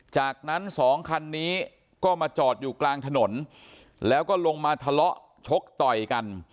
จากนั้นสองคันนี้ก็มาจอดอยู่กลางถนนแล้วก็ลงมาทะเลาะชกต่อยกัน